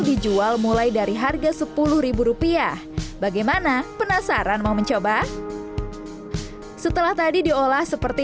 dijual mulai dari harga sepuluh rupiah bagaimana penasaran mau mencoba setelah tadi diolah seperti